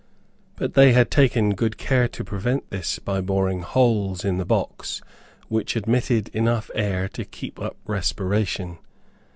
But they had taken good care to prevent this by boring holes in the box, which admitted air enough to keep up respiration.